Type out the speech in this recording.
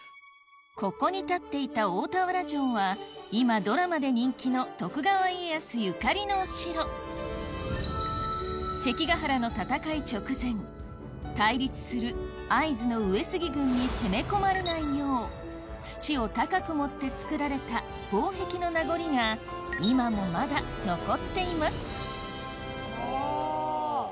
ここに立っていた大田原城は今ドラマで人気の関ヶ原の戦い直前対立する会津の上杉軍に攻め込まれないよう土を高く盛って作られた防壁の名残が今もまだ残っていますあぁ。